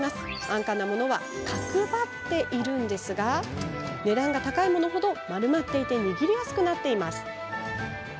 安価なものは角張っていますが値段が高いもの程、丸まっていて握りやすくなっています。